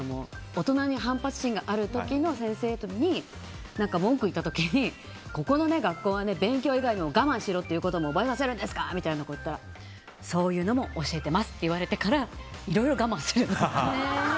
大人に反発心がある時、先生に文句を言った時にここの学校は勉強以外に我慢することも覚えさせるんですかって言ったらそういうのも教えてますって言われてからいろいろ我慢するようになった。